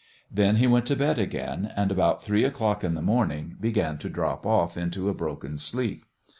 Then he went to bed again, and about three o'clock in the morning began to drop off into a broken sleep.